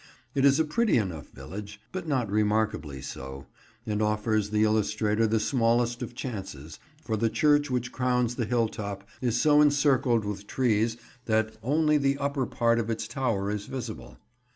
It is a pretty enough village, but not remarkably so, and offers the illustrator the smallest of chances, for the church which crowns the hill top is so encircled with trees that only the upper part of its tower is visible.